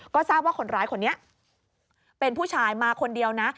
ก็ทราบว่าคนร้ายคนนี้เป็นผู้ชายมาคนเดียวนะ